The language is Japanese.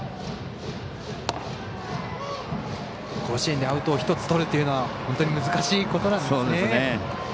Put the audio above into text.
甲子園でアウトを１つとるということは本当に難しいことなんですね。